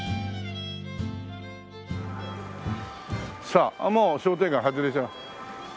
さあもう商店街外れちゃう。